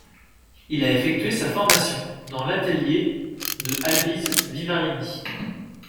Il a effectué sa formation dans l'atelier de Alvise Vivarini.